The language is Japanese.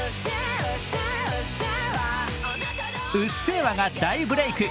「うっせぇわ」が大ブレーク。